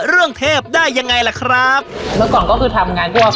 เรื่องเทพได้ยังไงล่ะครับเมื่อก่อนก็คือทำงานพวก